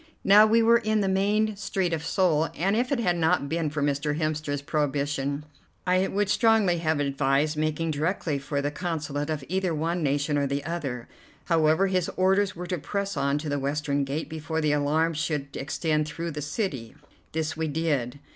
Now we were in the main street of Seoul, and if it had not been for Mr. Hemster's prohibition I would strongly have advised making directly for the Consulate of either one nation or the other. However, his orders were to press on to the western gate before the alarm should extend through the city. This we did.